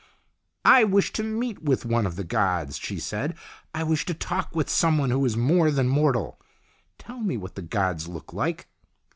" I wish to meet with one of the gods," she said. " I wish to talk with someone who is more than mortal. Tell me what the gods look like."